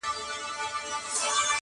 که یوازي دي په نحو خوله خوږه ده؛